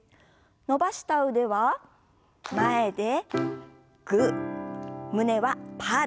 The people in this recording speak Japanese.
伸ばした腕は前でグー胸はパーです。